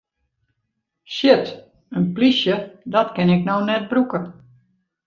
Shit, in plysje, dat kin ik no net brûke!